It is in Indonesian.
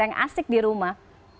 yang asik di rumah